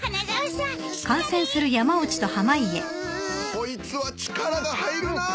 こいつは力が入るなあ。